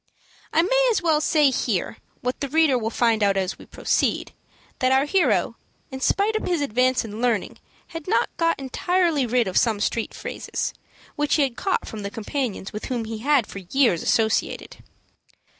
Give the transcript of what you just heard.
I may as well say here, what the reader will find out as we proceed, that our hero, in spite of his advance in learning, had not got entirely rid of some street phrases, which he had caught from the companions with whom he had for years associated.